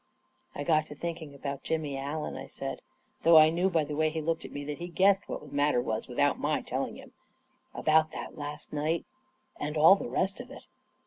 44 1 got to thinking about Jimmy Allen, 91 I said, though I knew by the way he looked at me that he guessed what the matter was without my telling him. 44 About that last night — and all the rest of it."